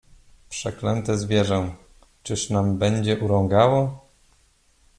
"Przeklęte zwierzę, czyż nam będzie urągało?"